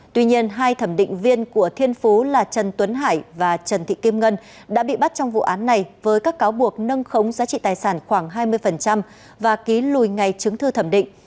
tuy nhiên hai thẩm định viên của thiên phú là trần tuấn hải và trần thị kim ngân đã bị bắt trong vụ án này với các cáo buộc nâng khống giá trị tài sản khoảng hai mươi và ký lùi ngay chứng thư thẩm định